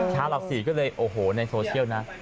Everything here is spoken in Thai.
ท้าลักษณีย์ก็เลยโอ้โหในโทเชียลนะ